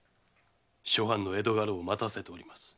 諸藩の江戸家老を待たせております。